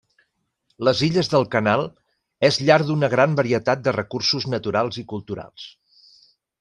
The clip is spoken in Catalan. Les Illes del Canal és llar d'una gran varietat de recursos naturals i culturals.